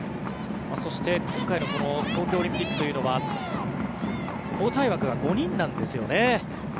そして、今回の東京オリンピックというのは交代枠が５人なんですよね。